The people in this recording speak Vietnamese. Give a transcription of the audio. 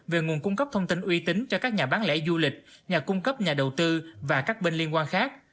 về nguồn cung cấp thông tin uy tín cho các nhà bán lẻ du lịch nhà cung cấp nhà đầu tư và các bên liên quan khác